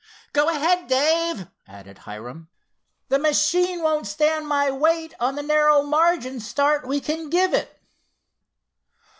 Go ahead, Dave," added Hiram. "The machine won't stand my weight on the narrow margin start we can give it."